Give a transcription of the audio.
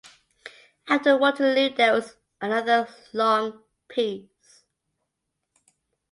After Waterloo there was another long peace.